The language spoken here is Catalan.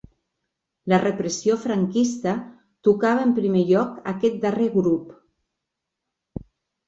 La repressió franquista tocava en primer lloc aquest darrere grup.